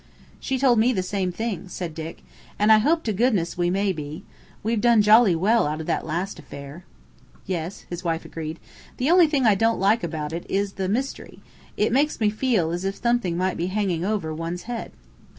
"She told me the same," said Dick. "And I hope to goodness we may be. We've done jolly well out of that last affair!" "Yes," his wife agreed. "The only thing I don't like about it is the mystery. It makes me feel as if something might be hanging over one's head."